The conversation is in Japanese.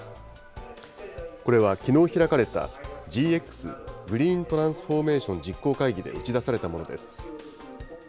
これはきのう開かれた、ＧＸ・グリーントランスフォーメーション実行会議で打ち出されたものです。